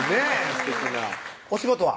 すてきなお仕事は？